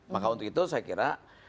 maka untuk itu saya kira